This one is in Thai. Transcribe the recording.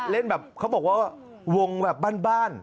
เล่นแบบเขาบอกว่าวงแบบบ้าน